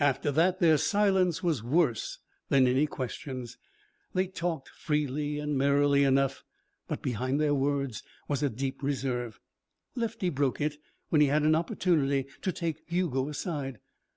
After that, their silence was worse than any questions. They talked freely and merrily enough, but behind their words was a deep reserve. Lefty broke it when he had an opportunity to take Hugo aside.